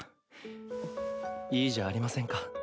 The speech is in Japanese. いいじゃありませんか。